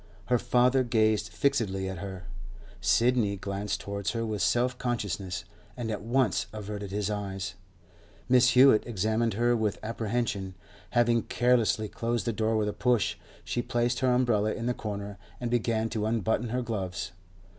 Her father gazed fixedly at her; Sidney glanced towards her with self consciousness, and at once averted his eyes; Mrs. Hewett examined her with apprehension. Having carelessly closed the door with a push, she placed her umbrella in the corner and began to unbutton her gloves.